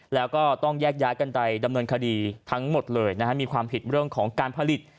แล้วก็ต้องแยกย้ายกันไปดำเนินคดีทั้งหมดเลยนะฮะมีความผิดเรื่องของการผลิต